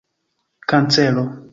kancero